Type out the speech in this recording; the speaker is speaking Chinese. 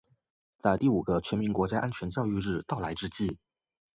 在第五个全民国家安全教育日到来之际